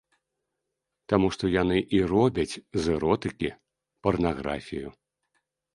Таму што яны і робяць з эротыкі парнаграфію.